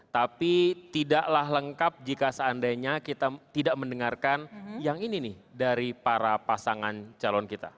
tapi tidaklah lengkap jika seandainya kita tidak mendengarkan yang ini nih dari para pasangan calon kita